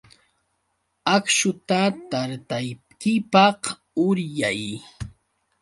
Akśhuta taytaykipaq uryay.